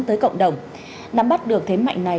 tới cộng đồng nắm bắt được thế mạnh này